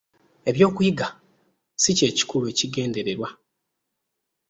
Ebyokuyiga ssi kye kikulu ekigendererwa.